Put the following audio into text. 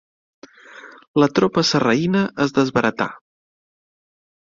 La tropa sarraïna es desbaratà.